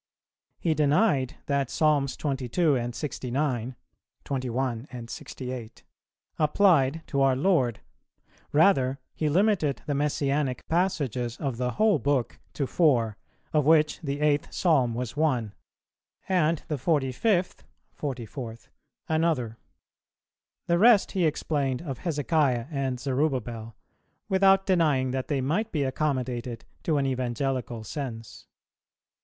He denied that Psalms 22 and 69 [21 and 68] applied to our Lord; rather he limited the Messianic passages of the whole book to four; of which the eighth Psalm was one, and the forty fifth another. The rest he explained of Hezekiah and Zerubbabel, without denying that they might be accommodated to an evangelical sense.